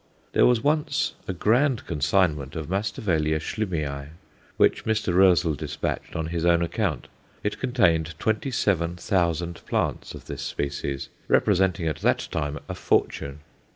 There was once a grand consignment of Masdevallia Schlimii, which Mr. Roezl despatched on his own account. It contained twenty seven thousand plants of this species, representing at that time a fortune.